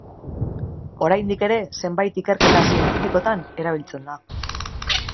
Oraindik ere zenbait ikerketa zientifikotan erabiltzen da.